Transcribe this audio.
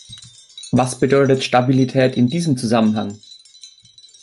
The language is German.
Was bedeutet Stabilität in diesem Zusammenhang?